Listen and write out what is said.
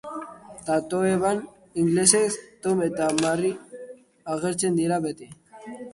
Tatoeban, ingelesez, Tom eta Mary agertzen dira beti.